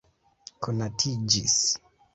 konatiĝis